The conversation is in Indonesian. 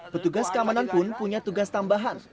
petugas keamanan pun punya tugas tambahan